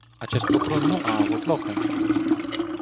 Acest lucru nu a avut loc însă.